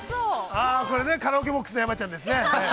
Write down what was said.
◆ああこれね、カラオケボックスの山ちゃんですね。